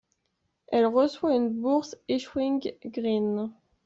Elle reçoit une bourse Echoing Green.